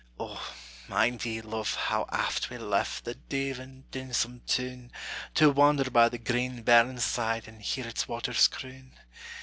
O, mind ye, luve, how aft we left The deavin', dinsome toun, To wander by the green burnside, And hear its waters croon?